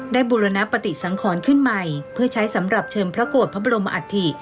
บุรณปฏิสังขรขึ้นใหม่เพื่อใช้สำหรับเชิมพระโกรธพระบรมอัฐิ